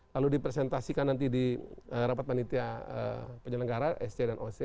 lalu dipresentasikan nanti di rapat panitia penyelenggara sc dan oc